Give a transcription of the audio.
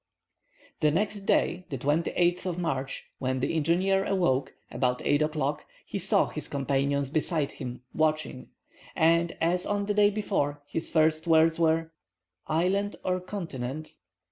The next day, the 28th of March, when the engineer awoke, about 8 o'clock, he saw his companions beside him watching, and, as on the day before, his first words were, "Island or continent?"